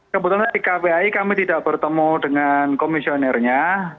kebetulan di kpai kami tidak bertemu dengan komisionernya